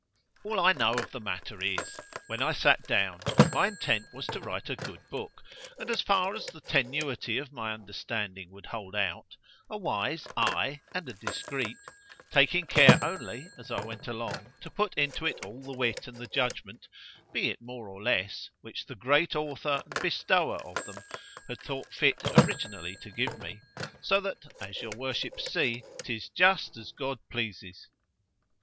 All I know of the matter is—when I sat down, my intent was to write a good book; and as far as the tenuity of my understanding would hold out—a wise, aye, and a discreet—taking care only, as I went along, to put into it all the wit and the judgment (be it more or less) which the great Author and Bestower of them had thought fit originally to give me——so that, as your worships see—'tis just as God pleases.